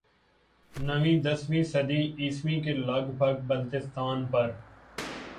نویں دسویں صدی عیسوی کے لگ بھگ بلتستان پر